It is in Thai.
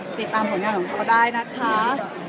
ติดตามผลงานของเขาได้นะคะ